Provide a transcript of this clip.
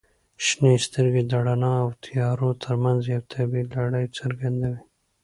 • شنې سترګې د رڼا او تیارو ترمنځ یوه طبیعي لړۍ څرګندوي.